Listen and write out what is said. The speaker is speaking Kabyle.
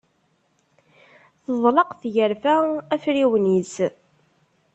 Teḍleq tgerfa afriwen-is.